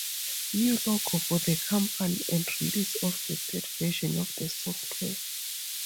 New logo for the company and release of the third version of the software.